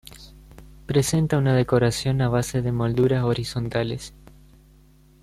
Presenta una decoración a base de molduras horizontales.